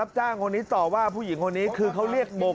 จ้างคนนี้ต่อว่าผู้หญิงคนนี้คือเขาเรียกมง